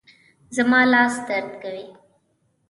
زما لاس درد کوي